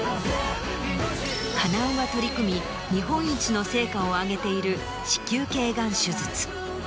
金尾が取り組み日本一の成果を上げている子宮頸がん手術。